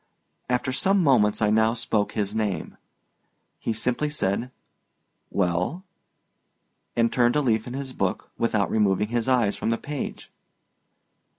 After some moments I now spoke his name. He simply said, "Well," and turned a leaf in his book without removing his eyes from the page.